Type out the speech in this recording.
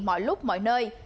mọi lúc mọi nơi